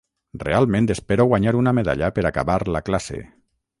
Realment espero guanyar una medalla per acabar la classe.